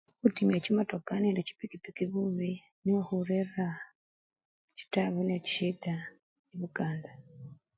Khutimya chimotoka nende chipikipiki bubi nikhwo khurera chitabu nechishida ebukanda.